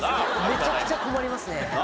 めちゃくちゃ困りますね。